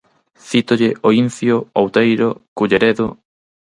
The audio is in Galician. Cítolle O Incio, Outeiro, Culleredo...